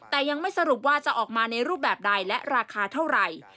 แต่ยังไม่สรุปว่าจะออกมาในรูปแบบใดและราคาเท่าไหร่